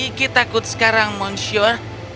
aku sedikit takut sekarang monsieur